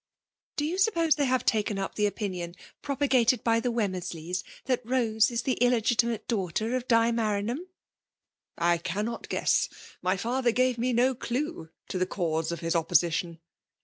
''Do you suppose they faaire taken up the opinion propagated by the Wemmersleys, that Bose is the illegitimate daughter of Di Maranham ?"" I cannot guess : my father gave me no due to the cause of his opposition."